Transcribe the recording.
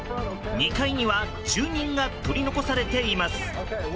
２階には住人が取り残されています。